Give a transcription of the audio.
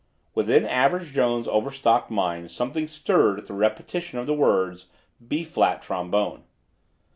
Within Average Jones' overstocked mind something stirred at the repetition of the words "B flat trombone."